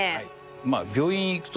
まあ病院に行くとね